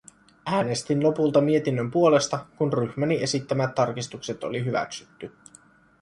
Äänestin lopulta mietinnön puolesta, kun ryhmäni esittämät tarkistukset oli hyväksytty.